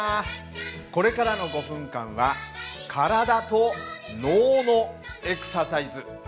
これからの５分間は体と脳のエクササイズ。